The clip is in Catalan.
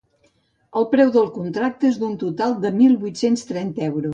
El preu del contracte es d’un total de mil vuit-cents trenta euros.